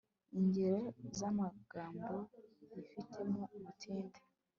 ingero z'amagambo yifitemo ubutinde